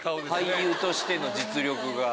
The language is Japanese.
俳優としての実力が。